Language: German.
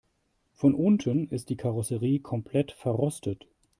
Von unten ist die Karosserie komplett verrostet.